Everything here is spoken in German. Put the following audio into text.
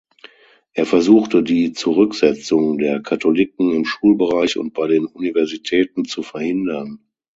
Er versuchte, die Zurücksetzung der Katholiken im Schulbereich und bei den Universitäten zu verhindern.